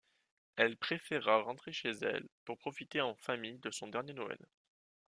Elle préféra rentrer chez elle pour profiter en famille de son dernier Noël.